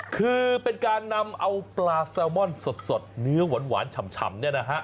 คือเป็นการนำเอาปลาแซลมอนสดเนื้อหวานฉ่ำเนี่ยนะฮะ